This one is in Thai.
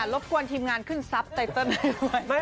ลบกวนทีมงานขึ้นแซบตะไต้ตอนไหนไว้